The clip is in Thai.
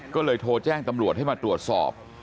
ก็เลยโทรแจ้งตำรวจให้มาตรวจสอบ